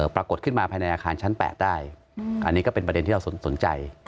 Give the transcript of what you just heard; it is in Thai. ปรากฏขึ้นมาภายในอาคารชั้น๘ได้อันนี้ก็เป็นประเด็นที่เราสนใจ